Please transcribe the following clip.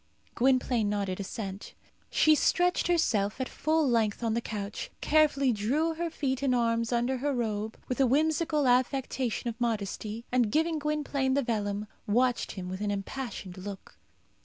Gwynplaine nodded assent. She stretched herself at full length on the couch, carefully drew her feet and arms under her robe, with a whimsical affectation of modesty, and, giving Gwynplaine the vellum, watched him with an impassioned look.